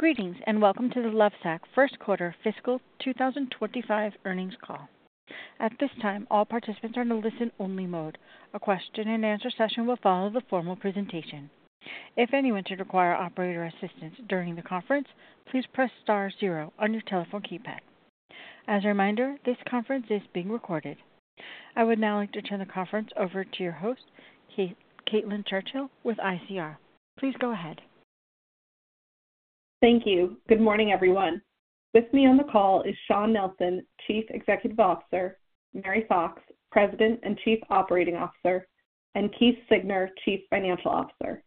...Greetings, and welcome to the Lovesac First Quarter Fiscal 2025 Earnings Call. At this time, all participants are in a listen-only mode. A question-and-answer session will follow the formal presentation. If anyone should require operator assistance during the conference, please press star zero on your telephone keypad. As a reminder, this conference is being recorded. I would now like to turn the conference over to your host, Caitlin Churchill with ICR. Please go ahead. Thank you. Good morning, everyone. With me on the call is Shawn Nelson, Chief Executive Officer, Mary Fox, President and Chief Operating Officer, and Keith Siegner, Chief Financial Officer.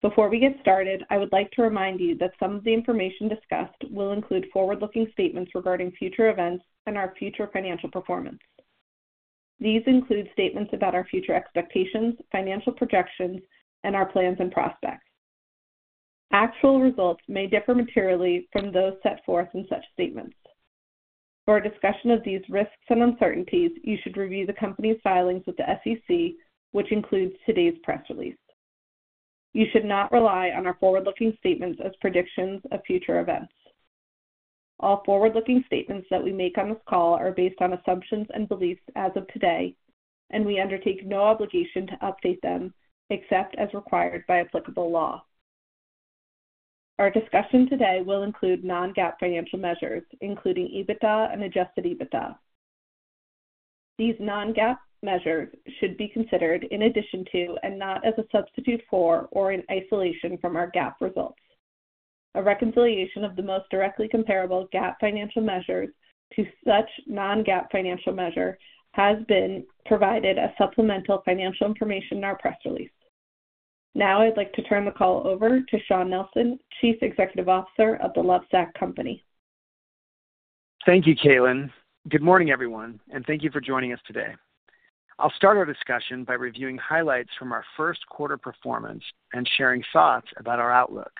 Before we get started, I would like to remind you that some of the information discussed will include forward-looking statements regarding future events and our future financial performance. These include statements about our future expectations, financial projections, and our plans and prospects. Actual results may differ materially from those set forth in such statements. For a discussion of these risks and uncertainties, you should review the company's filings with the SEC, which includes today's press release. You should not rely on our forward-looking statements as predictions of future events. All forward-looking statements that we make on this call are based on assumptions and beliefs as of today, and we undertake no obligation to update them, except as required by applicable law. Our discussion today will include non-GAAP financial measures, including EBITDA and adjusted EBITDA. These non-GAAP measures should be considered in addition to, and not as a substitute for or in isolation from, our GAAP results. A reconciliation of the most directly comparable GAAP financial measures to such non-GAAP financial measure has been provided as supplemental financial information in our press release. Now, I'd like to turn the call over to Shawn Nelson, Chief Executive Officer of The Lovesac Company. Thank you, Caitlin. Good morning, everyone, and thank you for joining us today. I'll start our discussion by reviewing highlights from our first quarter performance and sharing thoughts about our outlook.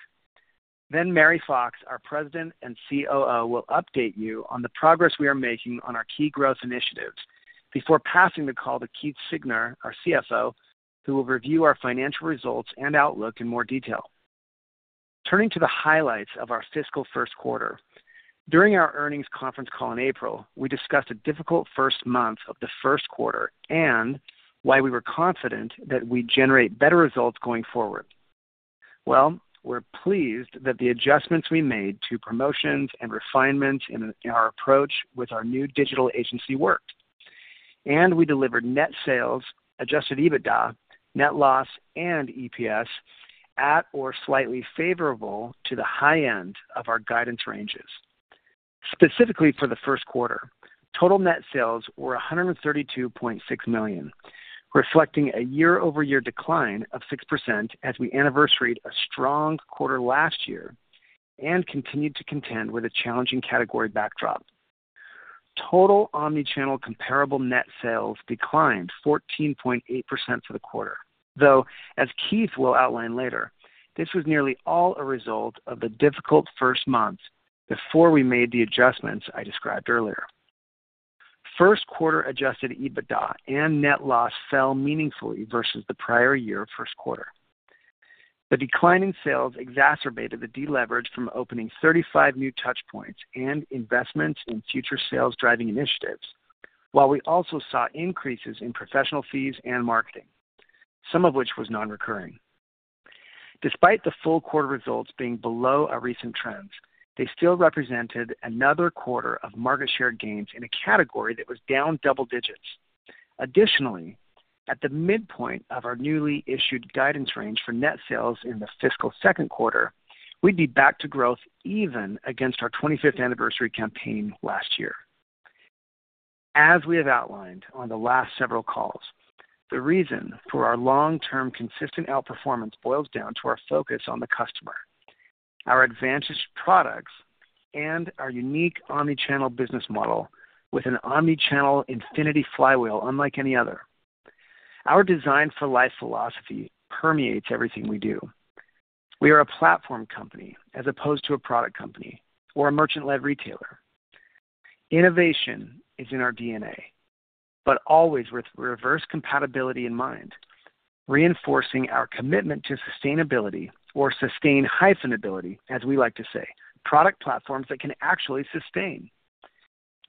Then Mary Fox, our President and COO, will update you on the progress we are making on our key growth initiatives before passing the call to Keith Siegner, our CFO, who will review our financial results and outlook in more detail. Turning to the highlights of our fiscal first quarter, during our earnings conference call in April, we discussed a difficult first month of the first quarter and why we were confident that we'd generate better results going forward. Well, we're pleased that the adjustments we made to promotions and refinements in our approach with our new digital agency worked, and we delivered net sales, adjusted EBITDA, net loss, and EPS at or slightly favorable to the high end of our guidance ranges. Specifically for the first quarter, total net sales were $132.6 million, reflecting a year-over-year decline of 6% as we anniversaried a strong quarter last year and continued to contend with a challenging category backdrop. Total omni-channel comparable net sales declined 14.8% for the quarter, though, as Keith will outline later, this was nearly all a result of the difficult first month before we made the adjustments I described earlier. First quarter adjusted EBITDA and net loss fell meaningfully versus the prior year first quarter. The decline in sales exacerbated the deleverage from opening 35 new touchpoints and investments in future sales-driving initiatives, while we also saw increases in professional fees and marketing, some of which was non-recurring. Despite the full quarter results being below our recent trends, they still represented another quarter of market share gains in a category that was down double digits. Additionally, at the midpoint of our newly issued guidance range for net sales in the fiscal second quarter, we'd be back to growth even against our 25th anniversary campaign last year. As we have outlined on the last several calls, the reason for our long-term consistent outperformance boils down to our focus on the customer, our advanced products, and our unique Omni-channel business model with an Omni-Channel Infinity Flywheel unlike any other. Our Design for Life philosophy permeates everything we do. We are a platform company as opposed to a product company or a merchant-led retailer. Innovation is in our DNA, but always with reverse compatibility in mind, reinforcing our commitment to sustainability or sustain-ability, as we like to say, product platforms that can actually sustain.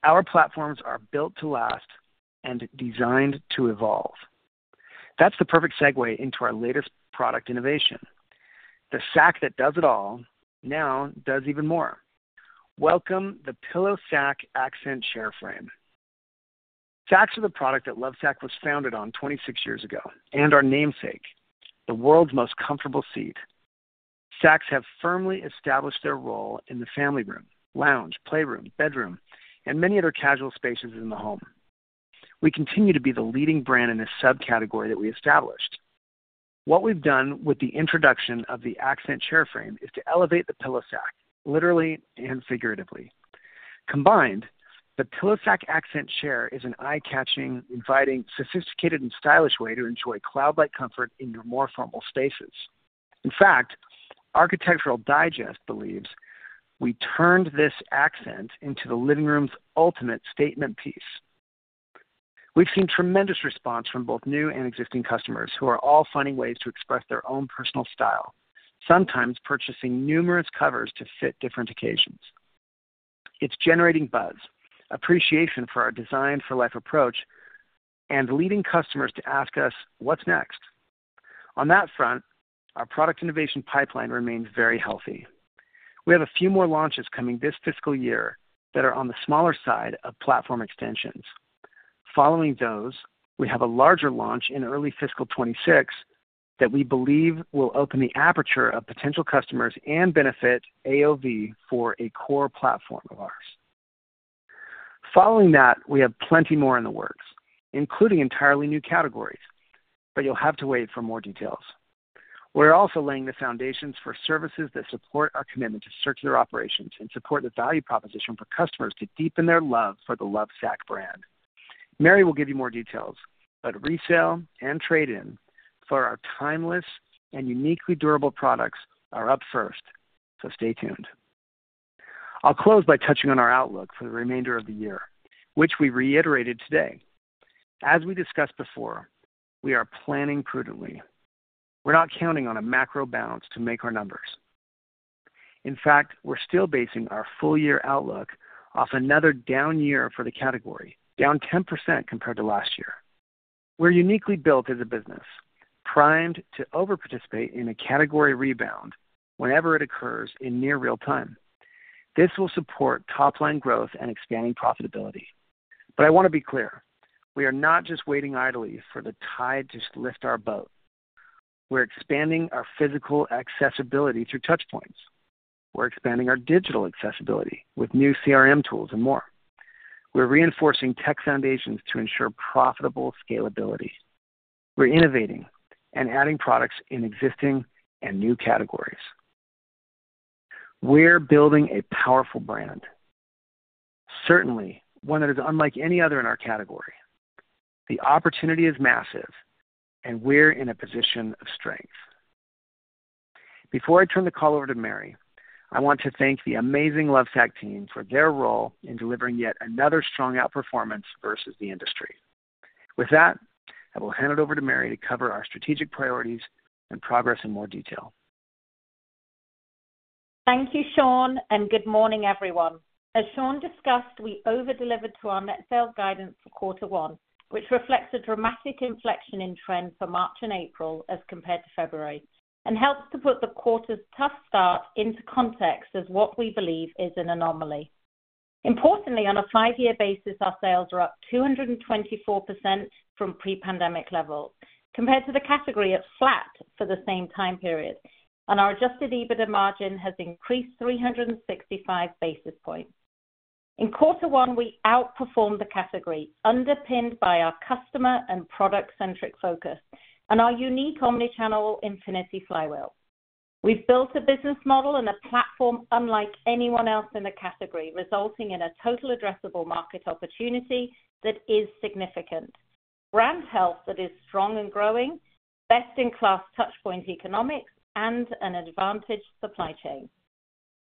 Our platforms are built to last and designed to evolve. That's the perfect segue into our latest product innovation. The Sac that does it all now does even more. Welcome, the PillowSac Accent Chair Frame. Sacs are the product that Lovesac was founded on 26 years ago and our namesake, the world's most comfortable seat. Sacs have firmly established their role in the family room, lounge, playroom, bedroom, and many other casual spaces in the home. We continue to be the leading brand in this subcategory that we established. What we've done with the introduction of the Accent Chair Frame is to elevate the PillowSac, literally and figuratively. Combined, the PillowSac Accent Chair is an eye-catching, inviting, sophisticated, and stylish way to enjoy cloud-like comfort in your more formal spaces. In fact, Architectural Digest believes we turned this accent into the living room's ultimate statement piece.... We've seen tremendous response from both new and existing customers, who are all finding ways to express their own personal style, sometimes purchasing numerous covers to fit different occasions. It's generating buzz, appreciation for our Design for Life approach, and leading customers to ask us, "What's next?" On that front, our product innovation pipeline remains very healthy. We have a few more launches coming this fiscal year that are on the smaller side of platform extensions. Following those, we have a larger launch in early fiscal 2026, that we believe will open the aperture of potential customers and benefit AOV for a core platform of ours. Following that, we have plenty more in the works, including entirely new categories, but you'll have to wait for more details. We're also laying the foundations for services that support our commitment to circular operations and support the value proposition for customers to deepen their love for the Lovesac brand. Mary will give you more details, but resale and trade-in for our timeless and uniquely durable products are up first, so stay tuned. I'll close by touching on our outlook for the remainder of the year, which we reiterated today. As we discussed before, we are planning prudently. We're not counting on a macro bounce to make our numbers. In fact, we're still basing our full year outlook off another down year for the category, down 10% compared to last year. We're uniquely built as a business, primed to over participate in a category rebound whenever it occurs in near real time. This will support top-line growth and expanding profitability. But I want to be clear, we are not just waiting idly for the tide to lift our boat. We're expanding our physical accessibility through touch points. We're expanding our digital accessibility with new CRM tools and more. We're reinforcing tech foundations to ensure profitable scalability. We're innovating and adding products in existing and new categories. We're building a powerful brand, certainly one that is unlike any other in our category. The opportunity is massive, and we're in a position of strength. Before I turn the call over to Mary, I want to thank the amazing Lovesac team for their role in delivering yet another strong outperformance versus the industry. With that, I will hand it over to Mary to cover our strategic priorities and progress in more detail. Thank you, Shawn, and good morning, everyone. As Shawn discussed, we over-delivered to our net sales guidance for quarter one, which reflects a dramatic inflection in trend for March and April as compared to February, and helps to put the quarter's tough start into context as what we believe is an anomaly. Importantly, on a five-year basis, our sales are up 224% from pre-pandemic levels, compared to the category of flat for the same time period, and our adjusted EBITDA margin has increased 365 basis points. In quarter one, we outperformed the category, underpinned by our customer and product-centric focus and our unique omni-channel infinity flywheel. We've built a business model and a platform unlike anyone else in the category, resulting in a total addressable market opportunity that is significant. Brand health that is strong and growing, best-in-class touchpoint economics, and an advantaged supply chain.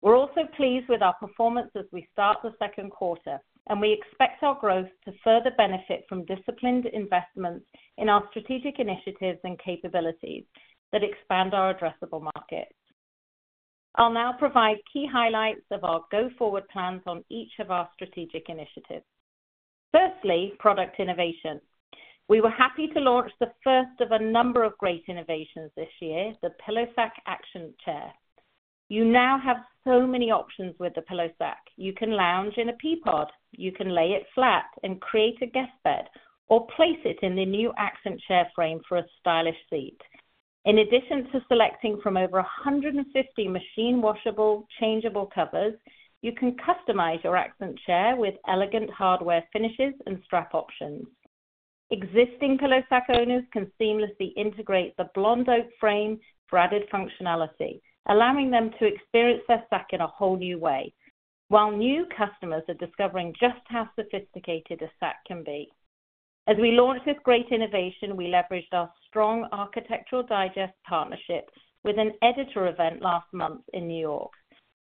We're also pleased with our performance as we start the second quarter, and we expect our growth to further benefit from disciplined investments in our strategic initiatives and capabilities that expand our addressable market. I'll now provide key highlights of our go-forward plans on each of our strategic initiatives. Firstly, product innovation. We were happy to launch the first of a number of great innovations this year, the PillowSac Accent Chair. You now have so many options with the PillowSac. You can lounge in a Peapod, you can lay it flat and create a guest bed, or place it in the new Accent Chair frame for a stylish seat. In addition to selecting from over 150 machine washable, changeable covers, you can customize your Accent Chair with elegant hardware finishes and strap options. Existing PillowSac owners can seamlessly integrate the blonde oak frame for added functionality, allowing them to experience their Sac in a whole new way, while new customers are discovering just how sophisticated a Sac can be. As we launched this great innovation, we leveraged our strong Architectural Digest partnership with an editor event last month in New York.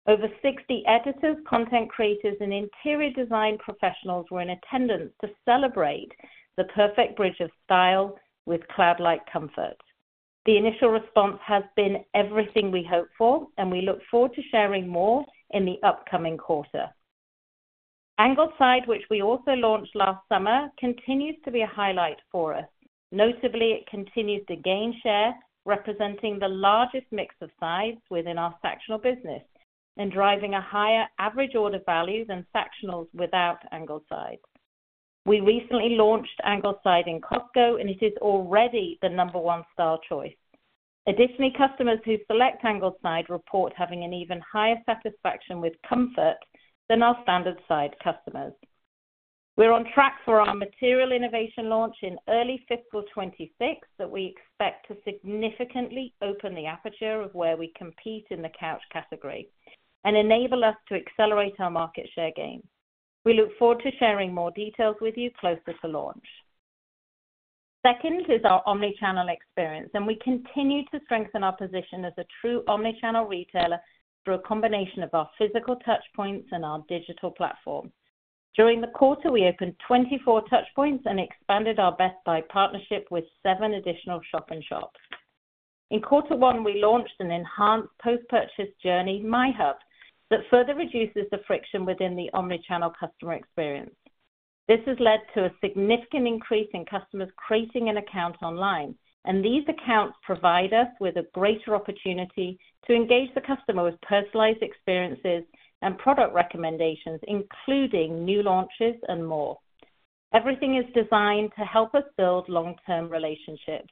Over 60 editors, content creators, and interior design professionals were in attendance to celebrate the perfect bridge of style with cloud-like comfort. The initial response has been everything we hoped for, and we look forward to sharing more in the upcoming quarter. Angled Side, which we also launched last summer, continues to be a highlight for us. Notably, it continues to gain share, representing the largest mix of sides within our sectional business and driving a higher average order value than sectionals without angled sides. We recently launched Angled Side in Costco, and it is already the number one style choice. Additionally, customers who select Angled Side report having an even higher satisfaction with comfort than our standard side customers. We're on track for our material innovation launch in early fiscal 2026, that we expect to significantly open the aperture of where we compete in the couch category and enable us to accelerate our market share gain. We look forward to sharing more details with you closer to launch... Second is our omni-channel experience, and we continue to strengthen our position as a true omni-channel retailer through a combination of our physical touch points and our digital platform. During the quarter, we opened 24 touch points and expanded our Best Buy partnership with seven additional shop-in-shops. In quarter one, we launched an enhanced post-purchase journey, MyHub, that further reduces the friction within the omni-channel customer experience. This has led to a significant increase in customers creating an account online, and these accounts provide us with a greater opportunity to engage the customer with personalized experiences and product recommendations, including new launches and more. Everything is designed to help us build long-term relationships.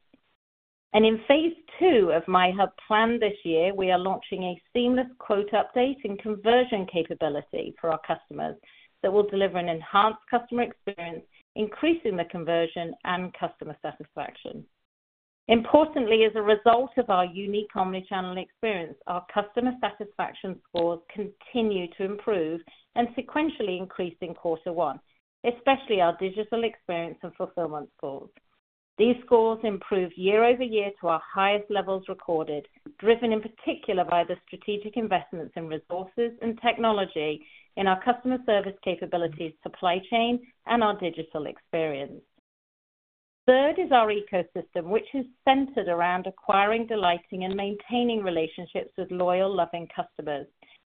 In phase II of MyHub plan this year, we are launching a seamless quote update and conversion capability for our customers that will deliver an enhanced customer experience, increasing the conversion and customer satisfaction. Importantly, as a result of our unique omni-channel experience, our customer satisfaction scores continue to improve and sequentially increase in quarter one, especially our digital experience and fulfillment scores. These scores improved year-over-year to our highest levels recorded, driven in particular by the strategic investments in resources and technology in our customer service capabilities, supply chain, and our digital experience. Third is our ecosystem, which is centered around acquiring, delighting, and maintaining relationships with loyal, loving customers.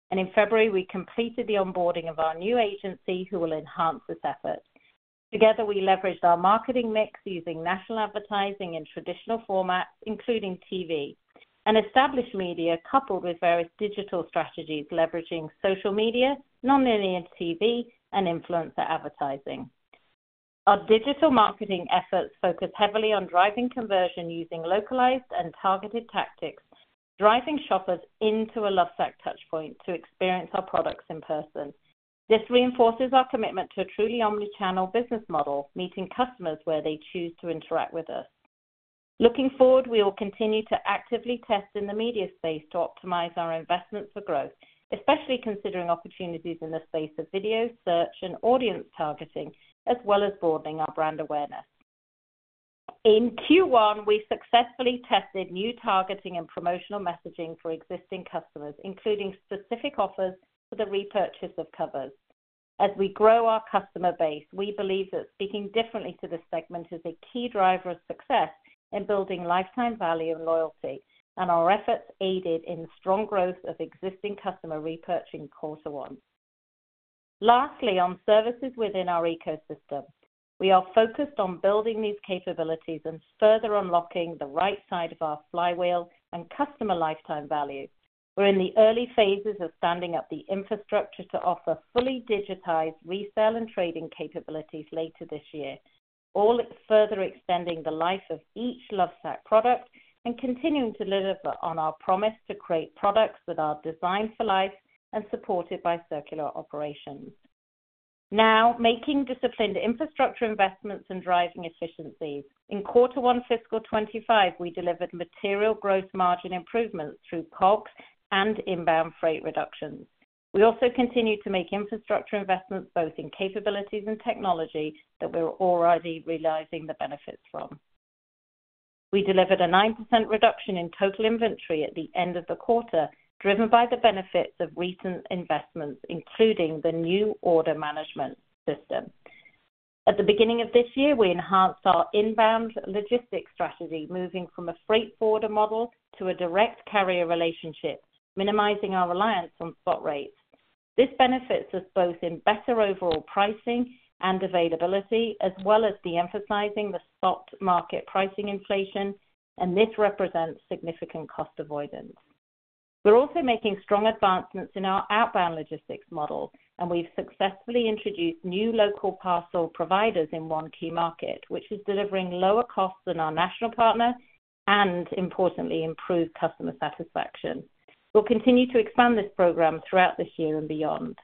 In February, we completed the onboarding of our new agency, who will enhance this effort. Together, we leveraged our marketing mix using national advertising in traditional formats, including TV and established media, coupled with various digital strategies leveraging social media, non-linear TV, and influencer advertising. Our digital marketing efforts focus heavily on driving conversion using localized and targeted tactics, driving shoppers into a Lovesac touch point to experience our products in person. This reinforces our commitment to a truly omni-channel business model, meeting customers where they choose to interact with us. Looking forward, we will continue to actively test in the media space to optimize our investment for growth, especially considering opportunities in the space of video, search, and audience targeting, as well as broadening our brand awareness. In Q1, we successfully tested new targeting and promotional messaging for existing customers, including specific offers for the repurchase of covers. As we grow our customer base, we believe that speaking differently to this segment is a key driver of success in building lifetime value and loyalty, and our efforts aided in strong growth of existing customer repurchase in quarter one. Lastly, on services within our ecosystem, we are focused on building these capabilities and further unlocking the right side of our flywheel and customer lifetime value. We're in the early phases of standing up the infrastructure to offer fully digitized resale and trading capabilities later this year, all further extending the life of each Lovesac product and continuing to deliver on our promise to create products that are designed for life and supported by circular operations. Now, making disciplined infrastructure investments and driving efficiencies. In quarter 1, fiscal 2025, we delivered material gross margin improvements through COGS and inbound freight reductions. We also continued to make infrastructure investments, both in capabilities and technology, that we're already realizing the benefits from. We delivered a 9% reduction in total inventory at the end of the quarter, driven by the benefits of recent investments, including the new order management system. At the beginning of this year, we enhanced our inbound logistics strategy, moving from a freight forwarder model to a direct carrier relationship, minimizing our reliance on spot rates. This benefits us both in better overall pricing and availability, as well as de-emphasizing the spot market pricing inflation, and this represents significant cost avoidance. We're also making strong advancements in our outbound logistics model, and we've successfully introduced new local parcel providers in one key market, which is delivering lower costs than our national partner and importantly, improved customer satisfaction. We'll continue to expand this program throughout this year and beyond.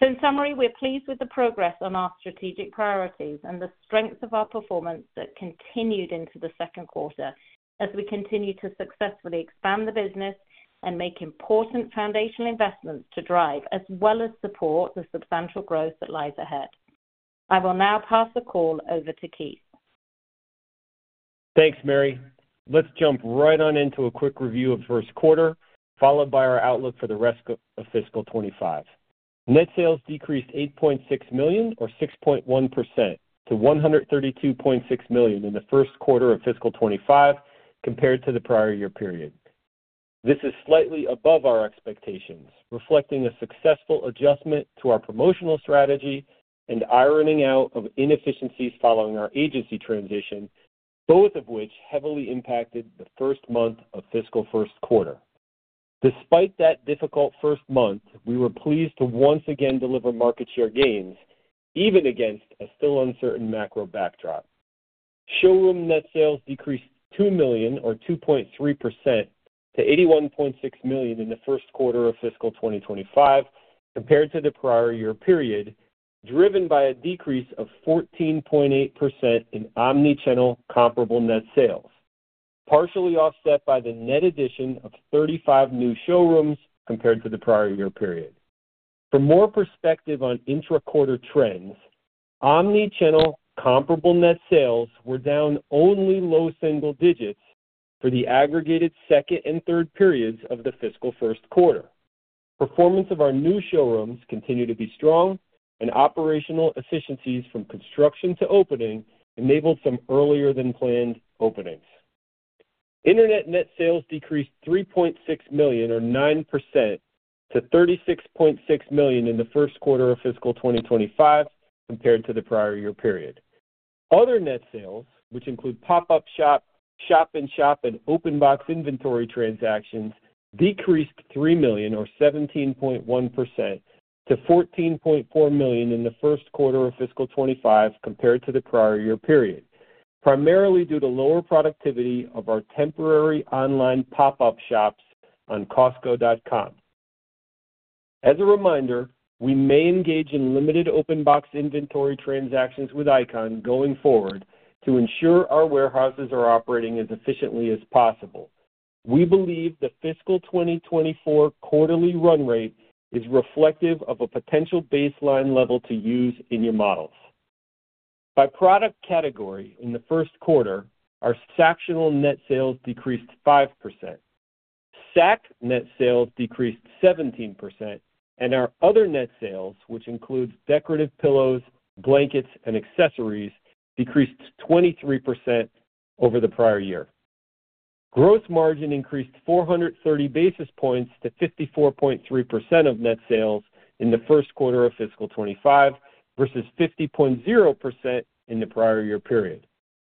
So in summary, we're pleased with the progress on our strategic priorities and the strengths of our performance that continued into the second quarter as we continue to successfully expand the business and make important foundational investments to drive, as well as support the substantial growth that lies ahead. I will now pass the call over to Keith. Thanks, Mary. Let's jump right on into a quick review of first quarter, followed by our outlook for the rest of fiscal 2025. Net sales decreased $8.6 million, or 6.1%, to $132.6 million in the first quarter of fiscal 2025, compared to the prior year period. This is slightly above our expectations, reflecting a successful adjustment to our promotional strategy and ironing out of inefficiencies following our agency transition, both of which heavily impacted the first month of fiscal first quarter. Despite that difficult first month, we were pleased to once again deliver market share gains, even against a still uncertain macro backdrop. Showroom net sales decreased $2 million, or 2.3%, to $81.6 million in the first quarter of fiscal 2025 compared to the prior year period, driven by a decrease of 14.8% in omni-channel comparable net sales, partially offset by the net addition of 35 new showrooms compared to the prior year period.... For more perspective on intra-quarter trends, omni-channel comparable net sales were down only low single digits for the aggregated second and third periods of the fiscal first quarter. Performance of our new showrooms continue to be strong, and operational efficiencies from construction to opening enabled some earlier than planned openings. Internet net sales decreased $3.6 million, or 9%, to $36.6 million in the first quarter of fiscal 2025 compared to the prior year period. Other net sales, which include pop-up shop, shop-in-shop, and open box inventory transactions, decreased $3 million or 17.1% to $14.4 million in the first quarter of fiscal 2025 compared to the prior year period, primarily due to lower productivity of our temporary online pop-up shops on Costco.com. As a reminder, we may engage in limited open box inventory transactions with Icon going forward to ensure our warehouses are operating as efficiently as possible. We believe the fiscal 2024 quarterly run rate is reflective of a potential baseline level to use in your models. By product category, in the first quarter, our Sactionals net sales decreased 5%, Sac net sales decreased 17%, and our other net sales, which includes decorative pillows, blankets, and accessories, decreased 23% over the prior year. Gross margin increased 430 basis points to 54.3% of net sales in the first quarter of fiscal 2025 versus 50.0% in the prior year period,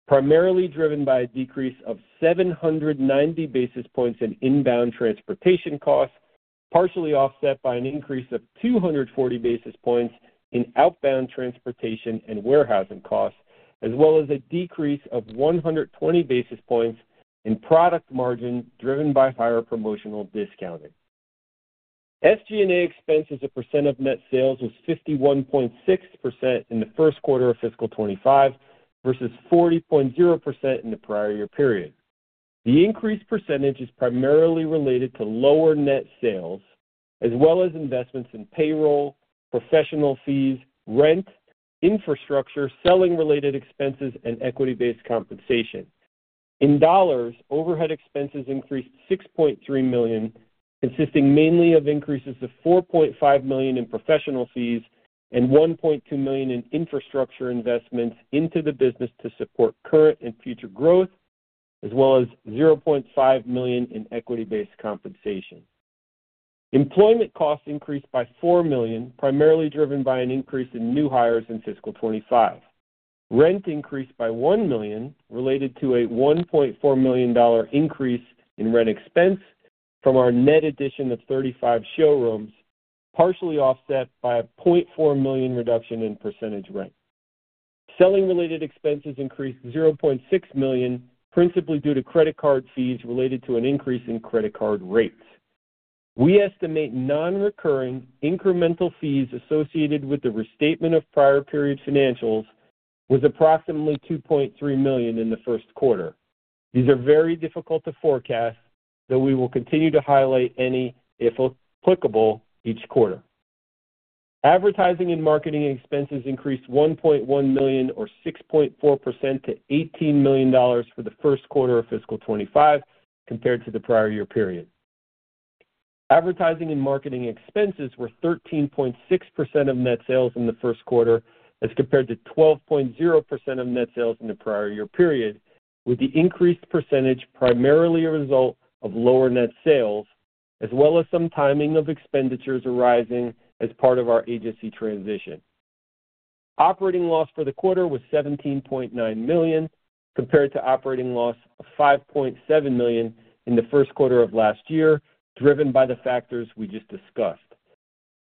primarily driven by a decrease of 790 basis points in inbound transportation costs, partially offset by an increase of 240 basis points in outbound transportation and warehousing costs, as well as a decrease of 120 basis points in product margin driven by higher promotional discounting. SG&A expense as a percent of net sales was 51.6% in the first quarter of fiscal 2025 versus 40.0% in the prior year period. The increased percentage is primarily related to lower net sales, as well as investments in payroll, professional fees, rent, infrastructure, selling-related expenses, and equity-based compensation. In dollars, overhead expenses increased $6.3 million, consisting mainly of increases of $4.5 million in professional fees and $1.2 million in infrastructure investments into the business to support current and future growth, as well as $0.5 million in equity-based compensation. Employment costs increased by $4 million, primarily driven by an increase in new hires in fiscal 2025. Rent increased by $1 million, related to a $1.4 million increase in rent expense from our net addition of 35 showrooms, partially offset by a $0.4 million reduction in percentage rent. Selling-related expenses increased $0.6 million, principally due to credit card fees related to an increase in credit card rates. We estimate non-recurring incremental fees associated with the restatement of prior period financials was approximately $2.3 million in the first quarter. These are very difficult to forecast, so we will continue to highlight any, if applicable, each quarter. Advertising and marketing expenses increased $1.1 million or 6.4% to $18 million for the first quarter of fiscal 2025 compared to the prior year period. Advertising and marketing expenses were 13.6% of net sales in the first quarter, as compared to 12.0% of net sales in the prior year period, with the increased percentage primarily a result of lower net sales, as well as some timing of expenditures arising as part of our agency transition. Operating loss for the quarter was $17.9 million, compared to operating loss of $5.7 million in the first quarter of last year, driven by the factors we just discussed.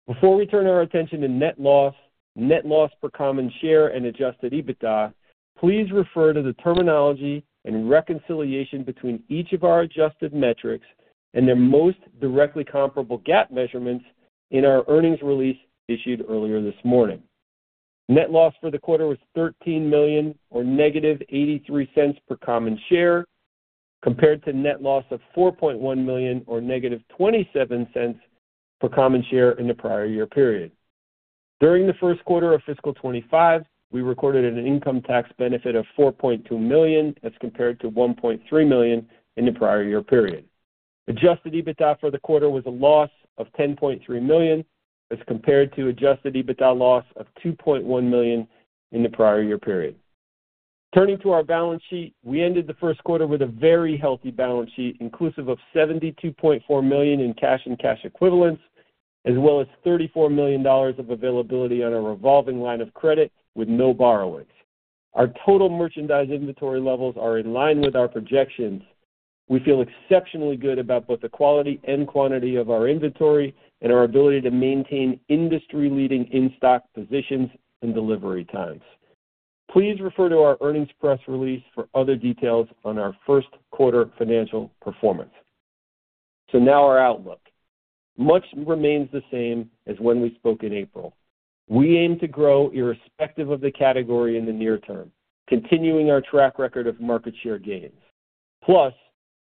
Before we turn our attention to net loss, net loss per common share and Adjusted EBITDA, please refer to the terminology and reconciliation between each of our adjusted metrics and their most directly comparable GAAP measurements in our earnings release issued earlier this morning. Net loss for the quarter was $13 million or -$0.83 per common share, compared to net loss of $4.1 million or -$0.27 per common share in the prior year period. During the first quarter of fiscal 2025, we recorded an income tax benefit of $4.2 million, as compared to $1.3 million in the prior year period. Adjusted EBITDA for the quarter was a loss of $10.3 million, as compared to Adjusted EBITDA loss of $2.1 million in the prior year period. Turning to our balance sheet, we ended the first quarter with a very healthy balance sheet, inclusive of $72.4 million in cash and cash equivalents, as well as $34 million of availability on a revolving line of credit with no borrowings. Our total merchandise inventory levels are in line with our projections. We feel exceptionally good about both the quality and quantity of our inventory and our ability to maintain industry-leading in-stock positions and delivery times. Please refer to our earnings press release for other details on our first quarter financial performance. So now our outlook. Much remains the same as when we spoke in April. We aim to grow irrespective of the category in the near term, continuing our track record of market share gains.... Plus,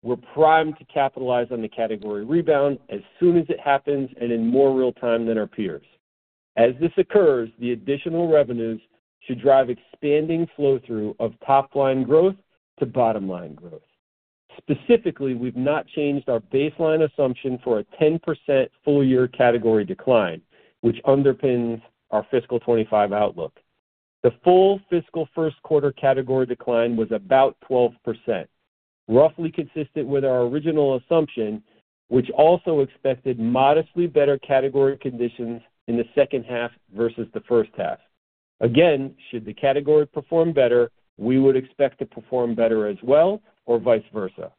we're primed to capitalize on the category rebound as soon as it happens and in more real time than our peers. As this occurs, the additional revenues should drive expanding flow-through of top-line growth to bottom-line growth. Specifically, we've not changed our baseline assumption for a 10% full-year category decline, which underpins our fiscal 2025 outlook. The full fiscal first quarter category decline was about 12%, roughly consistent with our original assumption, which also expected modestly better category conditions in the second half versus the first half. Again, should the category perform better, we would expect to perform better as well, or vice versa.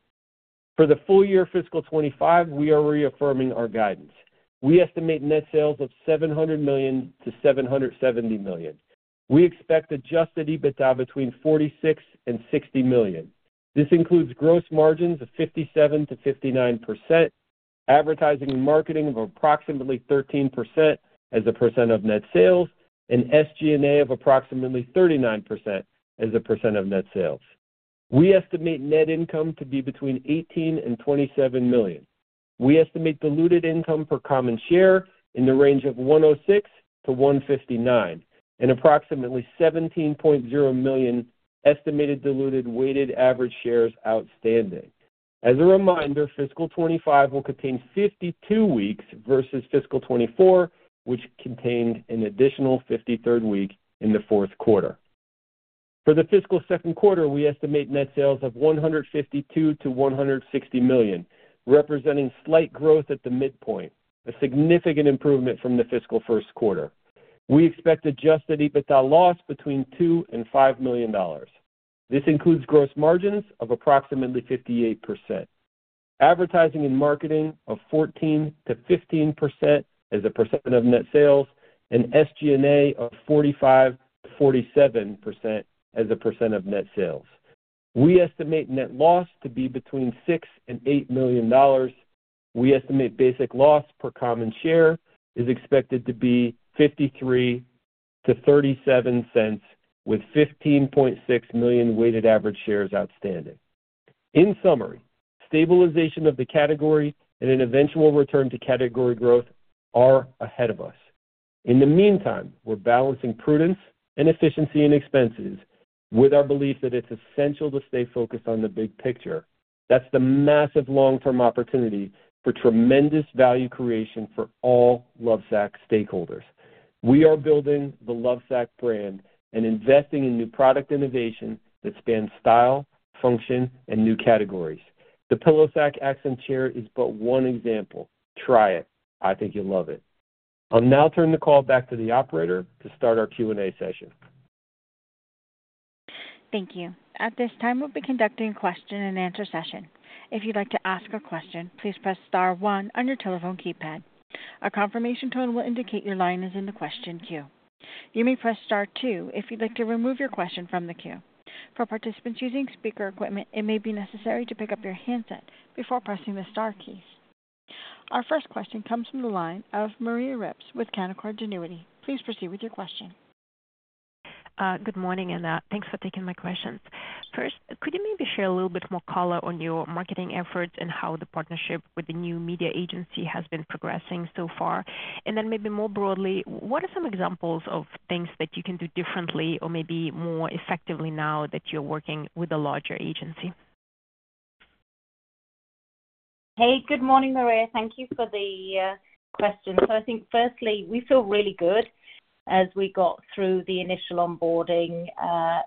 For the full year fiscal 2025, we are reaffirming our guidance. We estimate net sales of $700-770 million. We expect adjusted EBITDA between $46 million and $60 million. This includes gross margins of 57%-59%, advertising and marketing of approximately 13% as a percent of net sales, and SG&A of approximately 39% as a percent of net sales. We estimate net income to be between $18 million and $27 million. We estimate diluted income per common share in the range of $1.06-1.59, and approximately 17.0 million estimated diluted weighted average shares outstanding. As a reminder, fiscal 2025 will contain 52 weeks versus fiscal 2024, which contained an additional 53rd week in the fourth quarter. For the fiscal second quarter, we estimate net sales of $152 million to $160 million, representing slight growth at the midpoint, a significant improvement from the fiscal first quarter. We expect adjusted EBITDA loss between $2 million and $5 million. This includes gross margins of approximately 58%, advertising and marketing of 14%-15% as a percent of net sales, and SG&A of 45%-47% as a percent of net sales. We estimate net loss to be between $6 million and $8 million. We estimate basic loss per common share is expected to be $0.53-0.37, with 15.6 million weighted average shares outstanding. In summary, stabilization of the category and an eventual return to category growth are ahead of us. In the meantime, we're balancing prudence and efficiency and expenses with our belief that it's essential to stay focused on the big picture. That's the massive long-term opportunity for tremendous value creation for all Lovesac stakeholders. We are building the Lovesac brand and investing in new product innovation that spans style, function, and new categories. The PillowSac Accent Chair is but one example. Try it. I think you'll love it. I'll now turn the call back to the operator to start our Q&A session. Thank you. At this time, we'll be conducting a question-and-answer session. If you'd like to ask a question, please press star one on your telephone keypad. A confirmation tone will indicate your line is in the question queue. You may press star two if you'd like to remove your question from the queue. For participants using speaker equipment, it may be necessary to pick up your handset before pressing the star keys. Our first question comes from the line of Maria Ripps with Canaccord Genuity. Please proceed with your question. Good morning, and thanks for taking my questions. First, could you maybe share a little bit more color on your marketing efforts and how the partnership with the new media agency has been progressing so far? And then maybe more broadly, what are some examples of things that you can do differently or maybe more effectively now that you're working with a larger agency? Hey, good morning, Maria, thank you for the question. So I think firstly, we feel really good as we got through the initial onboarding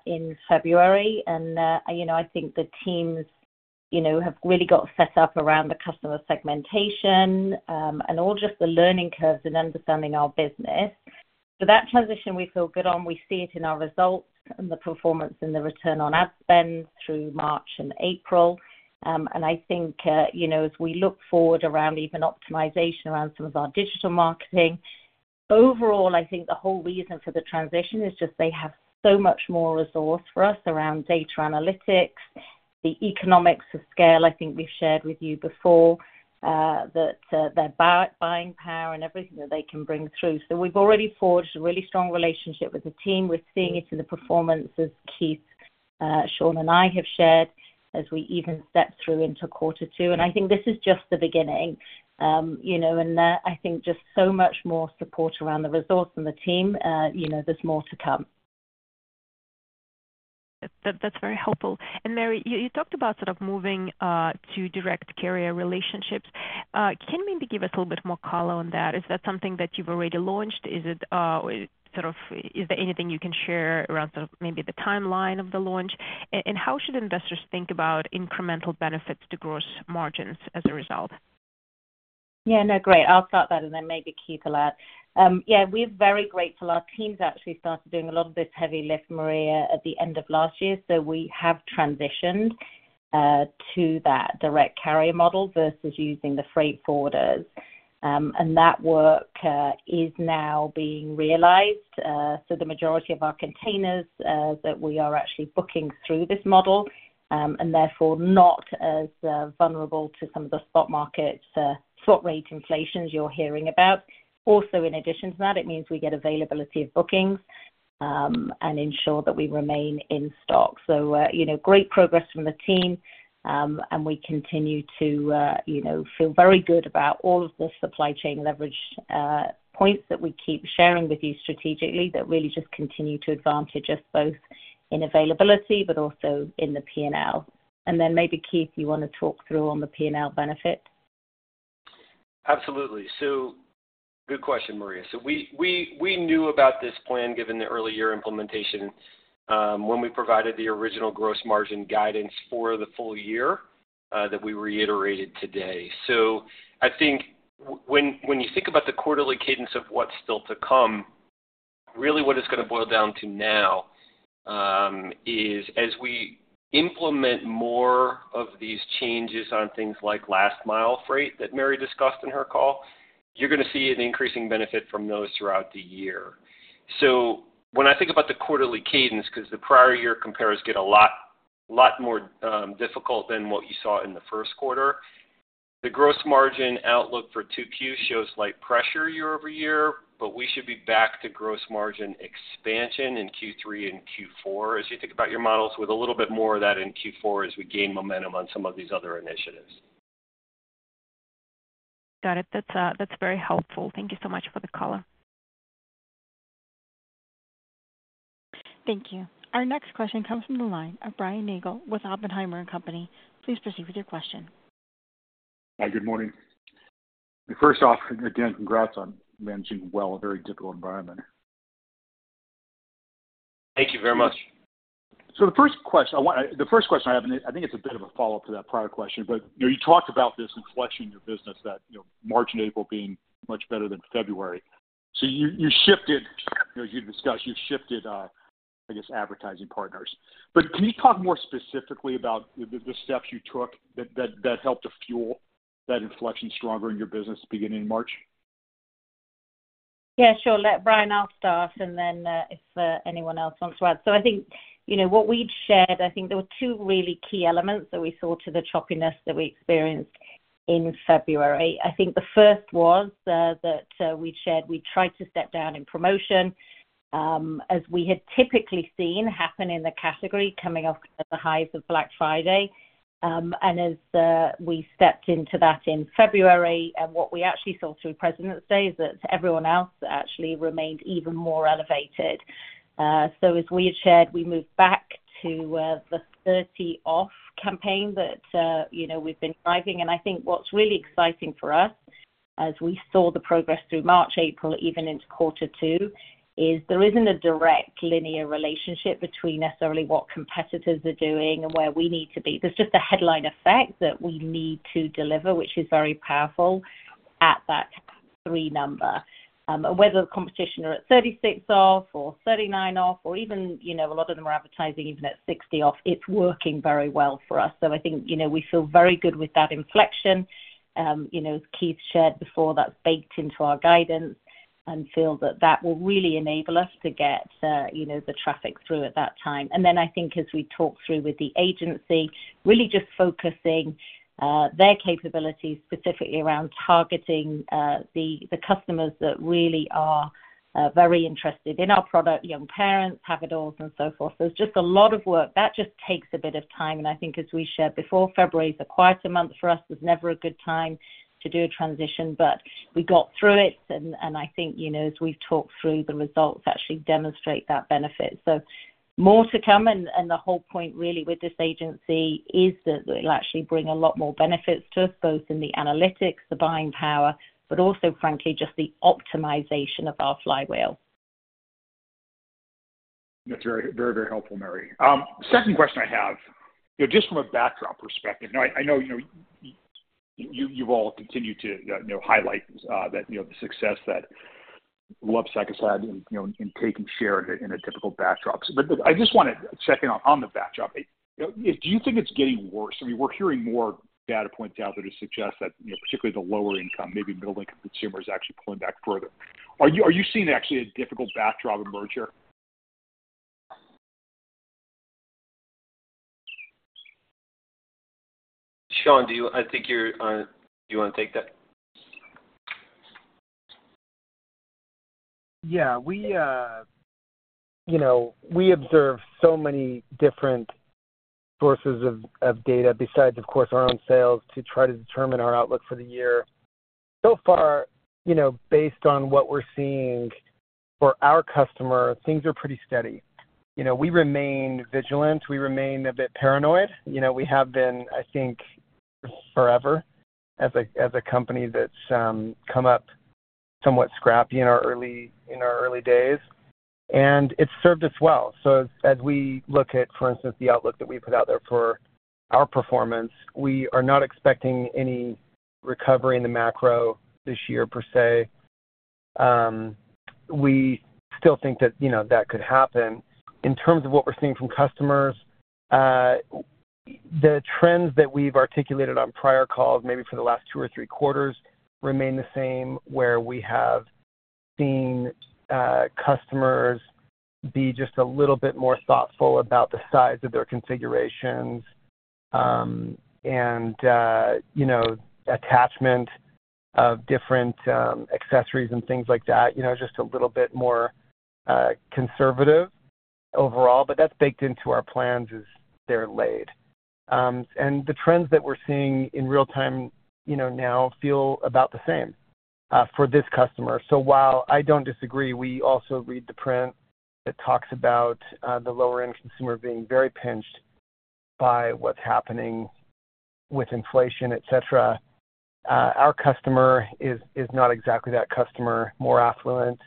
in February. And you know, I think the teams, you know, have really got set up around the customer segmentation, and all just the learning curves and understanding our business. So that transition, we feel good on. We see it in our results and the performance and the return on ad spend through March and April. And I think you know, as we look forward around even optimization around some of our digital marketing, overall, I think the whole reason for the transition is just they have so much more resource for us around data analytics. The economics of scale, I think we've shared with you before, that their buying power and everything that they can bring through. So we've already forged a really strong relationship with the team. We're seeing it in the performance, as Keith, Shawn, and I have shared, as we even step through into quarter two. And I think this is just the beginning. You know, and, I think just so much more support around the resource and the team, you know, there's more to come. That's very helpful. And Mary, you talked about sort of moving to direct carrier relationships. Can you maybe give us a little bit more color on that? Is that something that you've already launched? Is it sort of... Is there anything you can share around maybe the timeline of the launch? And how should investors think about incremental benefits to gross margins as a result? Yeah, no, great. I'll start that and then maybe Keith will add. Yeah, we're very grateful. Our teams actually started doing a lot of this heavy lift, Maria, at the end of last year. So we have transitioned to that direct carrier model versus using the freight forwarders. And that work is now being realized. So the majority of our containers that we are actually booking through this model, and therefore not as vulnerable to some of the spot markets spot rate inflations you're hearing about. Also, in addition to that, it means we get availability of bookings... and ensure that we remain in stock. So, you know, great progress from the team, and we continue to, you know, feel very good about all of the supply chain leverage, points that we keep sharing with you strategically, that really just continue to advantage us both in availability, but also in the P&L. And then maybe, Keith, you want to talk through on the P&L benefit? Absolutely. So good question, Maria. So we knew about this plan, given the early year implementation, when we provided the original gross margin guidance for the full year, that we reiterated today. So I think when you think about the quarterly cadence of what's still to come, really what it's gonna boil down to now, is as we implement more of these changes on things like last mile freight that Mary discussed in her call, you're gonna see an increasing benefit from those throughout the year. So when I think about the quarterly cadence, 'cause the prior year compares get a lot, lot more, difficult than what you saw in the first quarter. The gross margin outlook for 2Q shows light pressure year-over-year, but we should be back to gross margin expansion in Q3 and Q4, as you think about your models, with a little bit more of that in Q4 as we gain momentum on some of these other initiatives. Got it. That's, that's very helpful. Thank you so much for the color. Thank you. Our next question comes from the line of Brian Nagel with Oppenheimer and Company. Please proceed with your question. Hi, good morning. First off, again, congrats on managing well a very difficult environment. Thank you very much. So the first question I have, and I think it's a bit of a follow-up to that prior question, but, you know, you talked about this inflection in your business that, you know, March and April being much better than February. So you, you shifted, you know, you discussed, you shifted, I guess, advertising partners. But can you talk more specifically about the steps you took that helped to fuel that inflection stronger in your business beginning in March? Yeah, sure. Brian, I'll start, and then, if anyone else wants to add. So I think, you know, what we'd shared, I think there were two really key elements that we saw to the choppiness that we experienced in February. I think the first was, that we shared, we tried to step down in promotion, as we had typically seen happen in the category, coming off the highs of Black Friday. And as we stepped into that in February and what we actually saw through President's Day is that everyone else actually remained even more elevated. So as we had shared, we moved back to the 30 off campaign that, you know, we've been driving. I think what's really exciting for us, as we saw the progress through March, April, even into quarter two, is there isn't a direct linear relationship between necessarily what competitors are doing and where we need to be. There's just a headline effect that we need to deliver, which is very powerful at that three number. Whether the competition are at 36 off or 39 off or even, you know, a lot of them are advertising, even at 60 off, it's working very well for us. So I think, you know, we feel very good with that inflection. You know, as Keith shared before, that's baked into our guidance and feel that that will really enable us to get, you know, the traffic through at that time. Then I think as we talk through with the agency, really just focusing their capabilities specifically around targeting the customers that really are very interested in our product, young parents, pack-it-alls, and so forth. There's just a lot of work. That just takes a bit of time, and I think as we shared before, February is a quieter month for us. It's never a good time to do a transition, but we got through it and I think, you know, as we've talked through the results, actually demonstrate that benefit. So more to come, and the whole point really with this agency is that it'll actually bring a lot more benefits to us, both in the analytics, the buying power, but also, frankly, just the optimization of our flywheel. That's very, very, very helpful, Mary. Second question I have, you know, just from a backdrop perspective, I know, you know, you, you've all continued to, you know, highlight, that, you know, the success that Lovesac aside and, you know, and taking share in a, in a difficult backdrop. But I just want to check in on the backdrop. Do you think it's getting worse? I mean, we're hearing more data points out there to suggest that, you know, particularly the lower income, maybe middle-income consumer is actually pulling back further. Are you seeing actually a difficult backdrop in March? Shawn, do you—I think you're, do you want to take that? Yeah, we, you know, we observe so many different sources of data, besides, of course, our own sales, to try to determine our outlook for the year. So far, you know, based on what we're seeing for our customer, things are pretty steady. You know, we remain vigilant. We remain a bit paranoid. You know, we have been, I think, forever as a company that's come up somewhat scrappy in our early days, and it's served us well. So as we look at, for instance, the outlook that we put out there for our performance, we are not expecting any recovery in the macro this year, per se. We still think that, you know, that could happen. In terms of what we're seeing from customers, the trends that we've articulated on prior calls, maybe for the last two or three quarters, remain the same, where we have seen customers be just a little bit more thoughtful about the size of their configurations and you know, attachment of different accessories and things like that, you know, just a little bit more conservative overall. But that's baked into our plans as they're laid. And the trends that we're seeing in real time, you know, now feel about the same for this customer. So while I don't disagree, we also read the print that talks about the lower-end consumer being very pinched by what's happening with inflation, et cetera. Our customer is not exactly that customer, more affluent,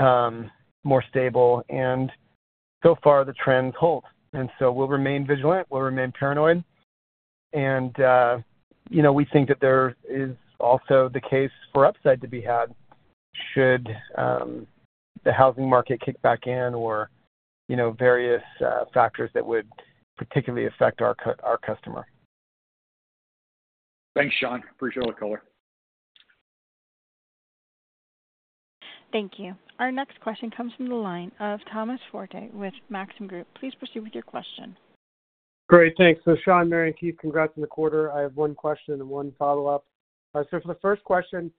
more stable, and so far the trends hold. We'll remain vigilant, we'll remain paranoid, and you know, we think that there is also the case for upside to be had, should the housing market kick back in or, you know, various factors that would particularly affect our customer. Thanks, Shawn. Appreciate the color. Thank you. Our next question comes from the line of Thomas Forte with Maxim Group. Please proceed with your question. Great, thanks. So Shawn, Mary, and Keith, congrats on the quarter. I have one question and one follow-up. So for the first question,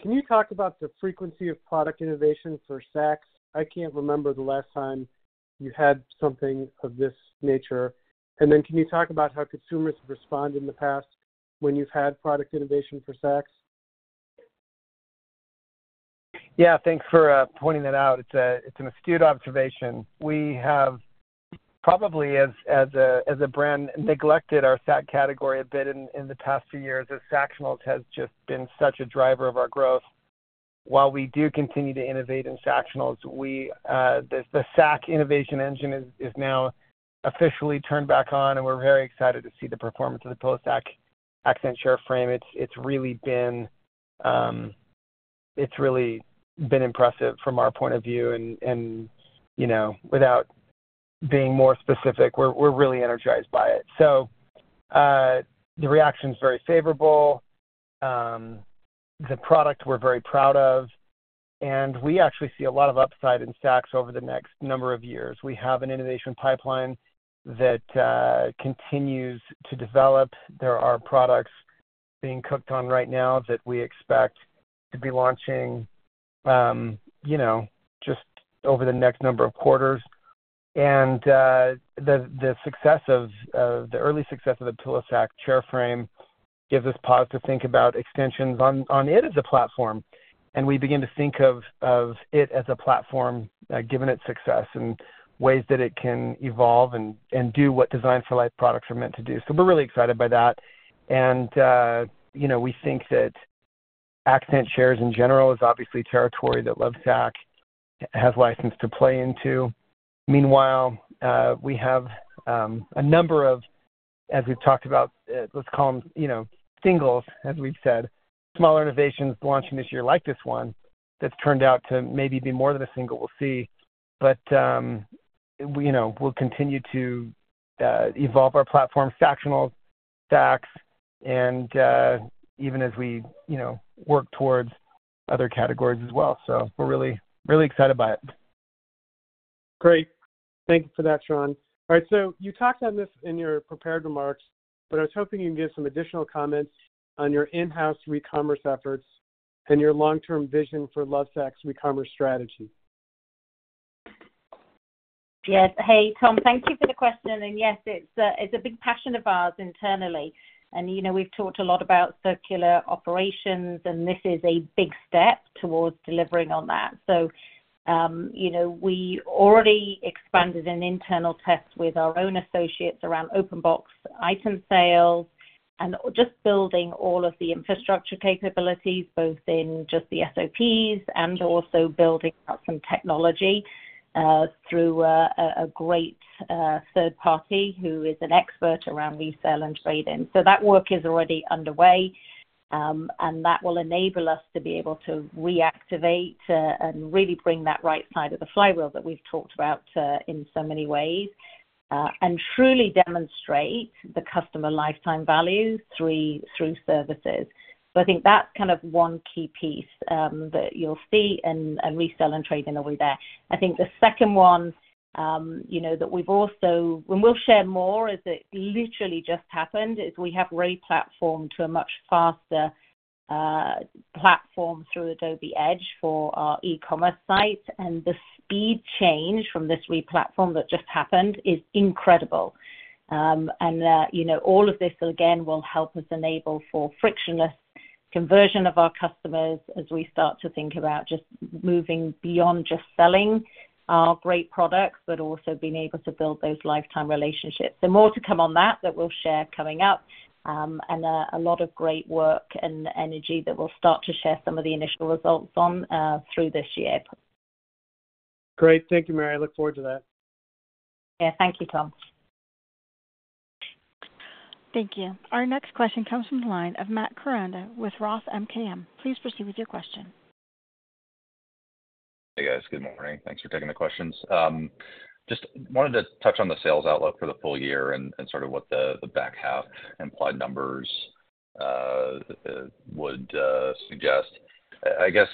can you talk about the frequency of product innovations for Sacs? I can't remember the last time you had something of this nature. And then can you talk about how consumers have responded in the past when you've had product innovation for Sacs? Yeah, thanks for pointing that out. It's an astute observation. We have probably, as a brand, neglected our Sac category a bit in the past few years, as Sactionals has just been such a driver of our growth. While we do continue to innovate in Sactionals, the Sac innovation engine is now officially turned back on, and we're very excited to see the performance of the PillowSac Accent Chair Frame. It's really been impressive from our point of view, and, you know, without being more specific, we're really energized by it. So, the reaction's very favorable. The product we're very proud of, and we actually see a lot of upside in Sacs over the next number of years. We have an innovation pipeline that continues to develop. There are products being cooked on right now that we expect to be launching, you know, just over the next number of quarters. The early success of the PillowSac chair frame gives us pause to think about extensions on it as a platform. We begin to think of it as a platform, given its success and ways that it can evolve and do what Design for Life products are meant to do. So we're really excited by that. You know, we think that accent chairs, in general, is obviously territory that Lovesac has license to play into. Meanwhile, we have a number of, as we've talked about, let's call them, you know, singles, as we've said, smaller innovations launching this year, like this one, that's turned out to maybe be more than a single. We'll see. But, we, you know, we'll continue to evolve our platform, Sactionals, Sacs, and even as we, you know, work towards other categories as well. So we're really, really excited about it. Great. Thank you for that, Shawn. All right, so you talked on this in your prepared remarks, but I was hoping you can give some additional comments on your in-house recommerce efforts and your long-term vision for Lovesac's recommerce strategy. Yes. Hey, Tom, thank you for the question, and yes, it's a big passion of ours internally. And, you know, we've talked a lot about circular operations, and this is a big step towards delivering on that. So, you know, we already expanded an internal test with our own associates around open box item sales and just building all of the infrastructure capabilities, both in just the SOPs and also building out some technology through a great third party who is an expert around resell and trade-in. So that work is already underway, and that will enable us to be able to reactivate and really bring that right side of the flywheel that we've talked about in so many ways, and truly demonstrate the customer lifetime value through services. So I think that's kind of one key piece, that you'll see, and and resell and trade-in will be there. I think the second one, you know, that we've also and we'll share more, as it literally just happened, is we have replatformed to a much faster platform through Adobe Edge for our e-commerce site. And the speed change from this replatform that just happened is incredible. And you know, all of this, again, will help us enable for frictionless conversion of our customers as we start to think about just moving beyond just selling our great products, but also being able to build those lifetime relationships. So more to come on that, that we'll share coming up, and a lot of great work and energy that we'll start to share some of the initial results on through this year. Great. Thank you, Mary. I look forward to that. Yeah. Thank you, Tom. Thank you. Our next question comes from the line of Matt Koranda with Roth MKM. Please proceed with your question. Hey, guys. Good morning. Thanks for taking the questions. Just wanted to touch on the sales outlook for the full year and sort of what the back half implied numbers would suggest. I guess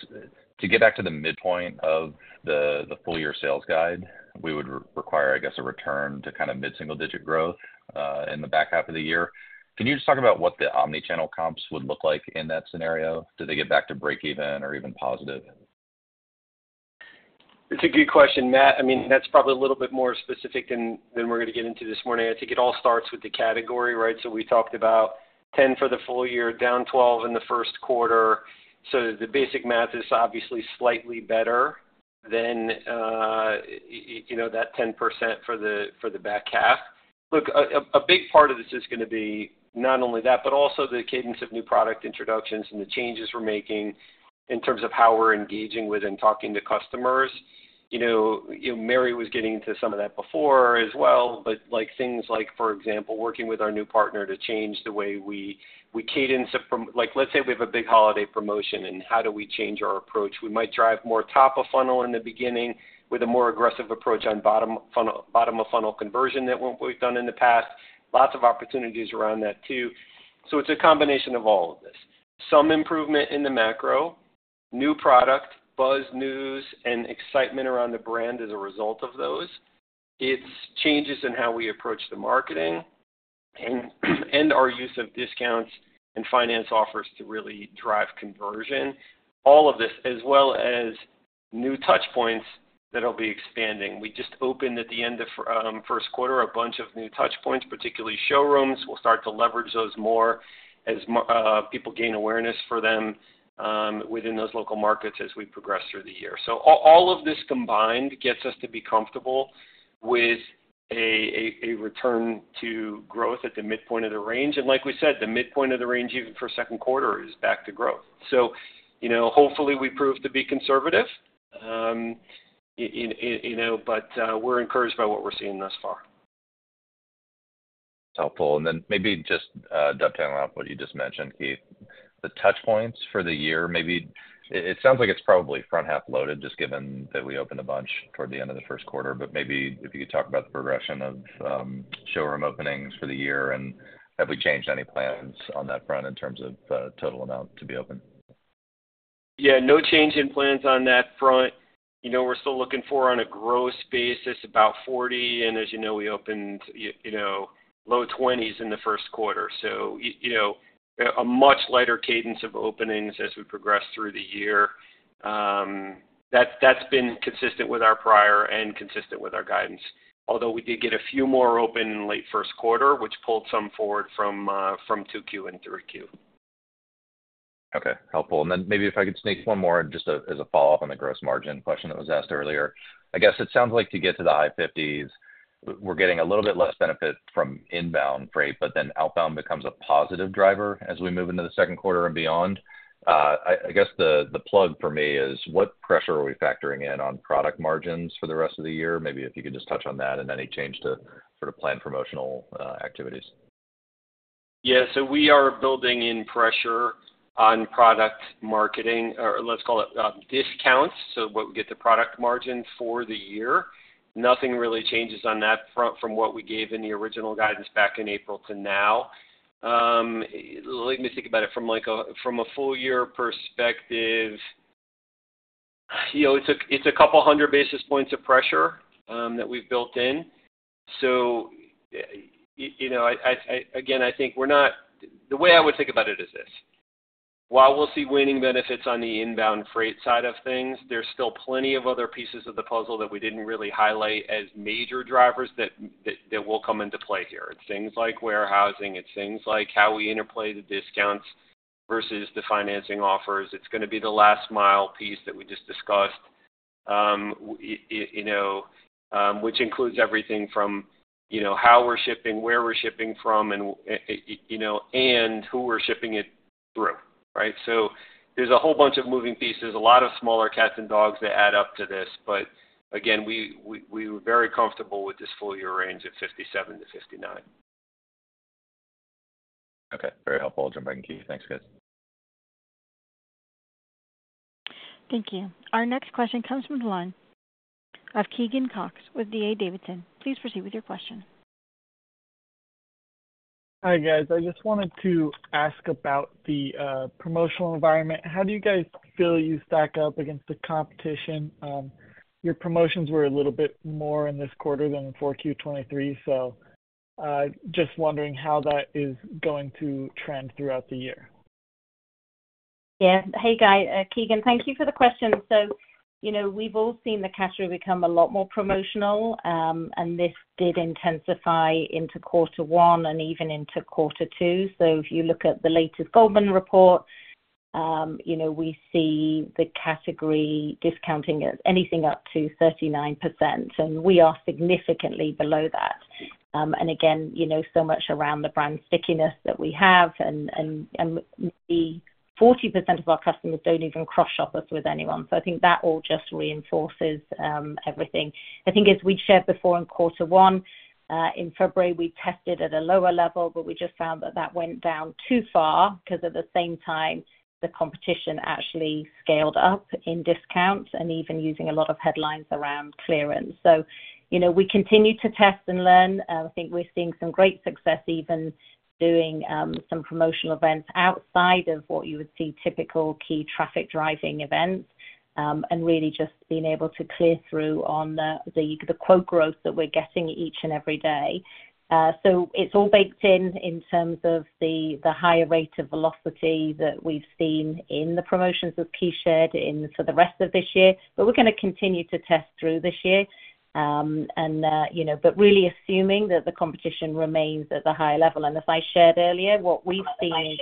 to get back to the midpoint of the full year sales guide, we would require, I guess, a return to kind of mid-single digit growth in the back half of the year. Can you just talk about what the omni-channel comps would look like in that scenario? Do they get back to breakeven or even positive? It's a good question, Matt. I mean, that's probably a little bit more specific than we're gonna get into this morning. I think it all starts with the category, right? So we talked about 10 for the full year, down 12 in the first quarter. So the basic math is obviously slightly better than you know, that 10% for the back half. Look, a big part of this is gonna be not only that, but also the cadence of new product introductions and the changes we're making in terms of how we're engaging with and talking to customers. You know, Mary was getting into some of that before as well, but like, things like, for example, working with our new partner to change the way we cadence it from—like, let's say we have a big holiday promotion and how do we change our approach? We might drive more top of funnel in the beginning with a more aggressive approach on bottom funnel, bottom of funnel conversion than we've done in the past. Lots of opportunities around that, too. So it's a combination of all of this. Some improvement in the macro, new product, buzz, news, and excitement around the brand as a result of those. It's changes in how we approach the marketing, and our use of discounts and finance offers to really drive conversion. All of this, as well as new touch points that'll be expanding. We just opened, at the end of first quarter, a bunch of new touch points, particularly showrooms. We'll start to leverage those more as people gain awareness for them within those local markets as we progress through the year. So all of this combined gets us to be comfortable with a return to growth at the midpoint of the range. And like we said, the midpoint of the range, even for second quarter, is back to growth. So, you know, hopefully, we prove to be conservative, you know, but, we're encouraged by what we're seeing thus far. Helpful. And then maybe just dovetailing off what you just mentioned, Keith, the touch points for the year, maybe it sounds like it's probably front half loaded, just given that we opened a bunch toward the end of the first quarter. But maybe if you could talk about the progression of showroom openings for the year, and have we changed any plans on that front in terms of the total amount to be open? Yeah, no change in plans on that front. You know, we're still looking for on a gross basis, about 40, and as you know, we opened you know, low 20s in the first quarter. So you know, a much lighter cadence of openings as we progress through the year. That's been consistent with our prior and consistent with our guidance, although we did get a few more open in late first quarter, which pulled some forward from, from 2Q into 3Q. Okay, helpful. And then maybe if I could sneak one more, just, as a follow-up on the gross margin question that was asked earlier. I guess it sounds like to get to the high fifties, we're getting a little bit less benefit from inbound freight, but then outbound becomes a positive driver as we move into the second quarter and beyond. I guess the plug for me is, what pressure are we factoring in on product margins for the rest of the year? Maybe if you could just touch on that and any change to sort of planned promotional activities. Yeah, so we are building in pressure on product marketing, or let's call it, discounts, so what we get to product margin for the year. Nothing really changes on that front from what we gave in the original guidance back in April to now. Let me think about it. From like a full year perspective, you know, it's a couple hundred basis points of pressure that we've built in. So, you know, I again, I think we're not... The way I would think about it is this: while we'll see waning benefits on the inbound freight side of things, there's still plenty of other pieces of the puzzle that we didn't really highlight as major drivers that will come into play here. It's things like warehousing, it's things like how we interplay the discounts versus the financing offers. It's gonna be the last mile piece that we just discussed, you know, which includes everything from, you know, how we're shipping, where we're shipping from, and you know, and who we're shipping it through, right? So there's a whole bunch of moving pieces, a lot of smaller cats and dogs that add up to this. But again, we were very comfortable with this full year range of 57-59. Okay, very helpful. I'll jump back to you. Thanks, guys. Thank you. Our next question comes from the line of Keegan Cox with D.A. Davidson. Please proceed with your question. Hi, guys. I just wanted to ask about the promotional environment. How do you guys feel you stack up against the competition? Your promotions were a little bit more in this quarter than 4Q 2023, so just wondering how that is going to trend throughout the year. Yeah. Hey, guy, Keegan, thank you for the question. So, you know, we've all seen the category become a lot more promotional, and this did intensify into quarter one and even into quarter two. So if you look at the latest Goldman report, you know, we see the category discounting as anything up to 39%, and we are significantly below that. And again, you know, so much around the brand stickiness that we have, and, and, and the 40% of our customers don't even cross shop us with anyone. So I think that all just reinforces, everything. I think as we'd shared before in quarter one, in February, we tested at a lower level, but we just found that that went down too far, because at the same time, the competition actually scaled up in discounts and even using a lot of headlines around clearance. So, you know, we continue to test and learn. I think we're seeing some great success, even doing some promotional events outside of what you would see typical key traffic driving events, and really just being able to clear through on the, the quote growth that we're getting each and every day. So it's all baked in, in terms of the, the higher rate of velocity that we've seen in the promotions that Key shared in for the rest of this year. But we're gonna continue to test through this year. you know, but really assuming that the competition remains at a high level, and as I shared earlier, what we've seen,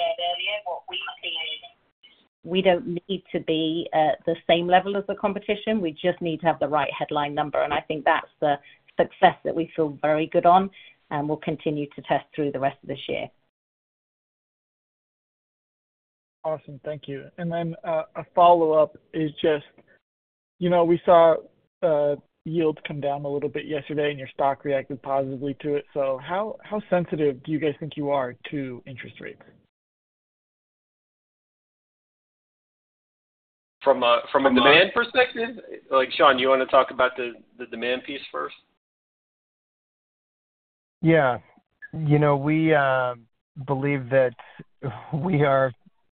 we don't need to be at the same level as the competition. We just need to have the right headline number, and I think that's the success that we feel very good on, and we'll continue to test through the rest of this year. Awesome. Thank you. And then, a follow-up is just, you know, we saw, yields come down a little bit yesterday, and your stock reacted positively to it. So how, how sensitive do you guys think you are to interest rates? From a demand perspective? Like, Shawn, do you want to talk about the demand piece first? Yeah. You know, we believe that we are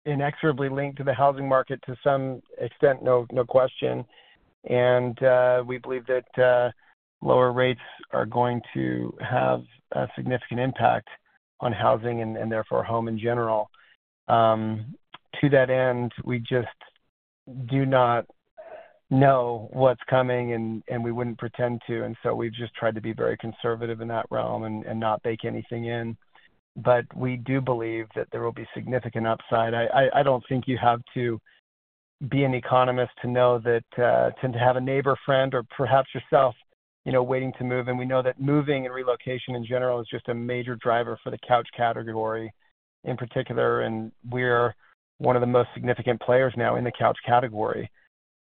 inexorably linked to the housing market to some extent, no question. And we believe that lower rates are going to have a significant impact on housing and therefore home in general. To that end, we just do not know what's coming and we wouldn't pretend to, and so we've just tried to be very conservative in that realm and not bake anything in. But we do believe that there will be significant upside. I don't think you have to be an economist to know that tend to have a neighbor, friend or perhaps yourself, you know, waiting to move. And we know that moving and relocation in general is just a major driver for the couch category in particular, and we're one of the most significant players now in the couch category.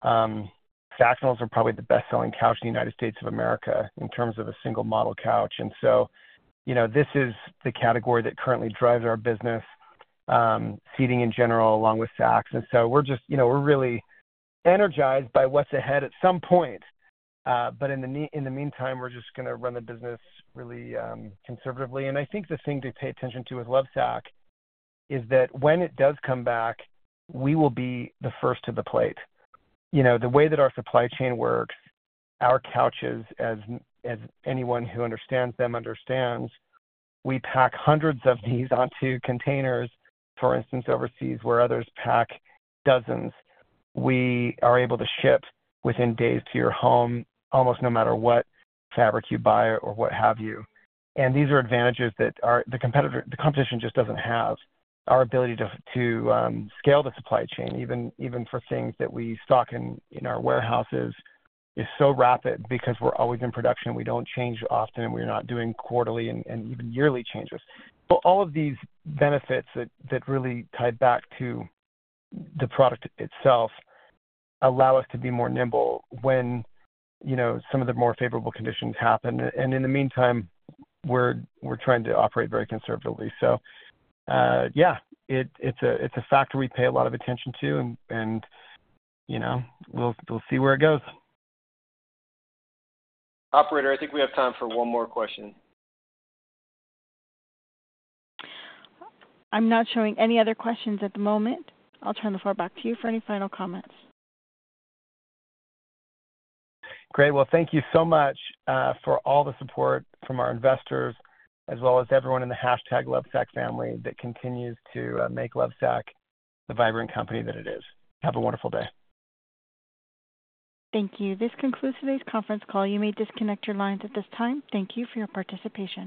Sactionals are probably the best-selling couch in the United States of America in terms of a single model couch. And so, you know, this is the category that currently drives our business, seating in general, along with Sacs. And so we're just, you know, we're really energized by what's ahead at some point, but in the meantime, we're just gonna run the business really, conservatively. And I think the thing to pay attention to with Lovesac is that when it does come back, we will be the first to the plate. You know, the way that our supply chain works, our couches, as anyone who understands them understands, we pack hundreds of these onto containers, for instance, overseas, where others pack dozens. We are able to ship within days to your home, almost no matter what fabric you buy or what have you. And these are advantages that are... the competitor—the competition just doesn't have. Our ability to scale the supply chain, even for things that we stock in our warehouses, is so rapid because we're always in production. We don't change often, we're not doing quarterly and even yearly changes. But all of these benefits that really tie back to the product itself allow us to be more nimble when, you know, some of the more favorable conditions happen. And in the meantime, we're trying to operate very conservatively. Yeah, it's a factor we pay a lot of attention to, and you know, we'll see where it goes. Operator, I think we have time for one more question. I'm not showing any other questions at the moment. I'll turn the floor back to you for any final comments. Great. Well, thank you so much for all the support from our investors, as well as everyone in the hashtag Lovesac family that continues to make Lovesac the vibrant company that it is. Have a wonderful day. Thank you. This concludes today's conference call. You may disconnect your lines at this time. Thank you for your participation.